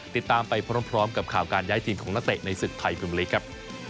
ติดตามไปพร้อมกับข่าวการย้ายทีมของนักเตะในศึกไทยพิมลีกครับ